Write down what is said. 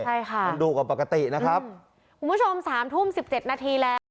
ใช่ค่ะมันดูกว่าปกตินะครับคุณผู้ชม๓ทุ่ม๑๗นาทีแล้ว